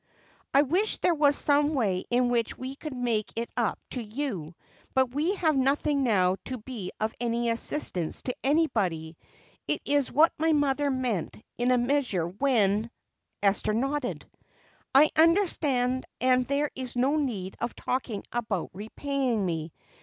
"I wish there were some way in which we could make it up to you, but we have nothing now to be of any assistance to anybody. It is what my mother meant in a measure when " Esther nodded. "I understand and there is no need of talking about repaying me.